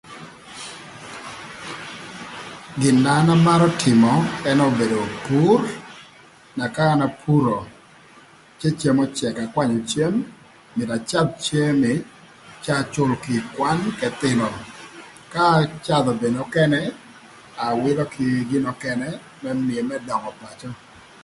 Gin na an amarö tïmö ënë obedo pur na ka an apuro cë cem öcëk akwanyö cem myero acadh cem ni cë acül kï kwan k'ëthïnö k'acadhö gin nökënë awïlö kï gin ökënë më mïö döngö pacö.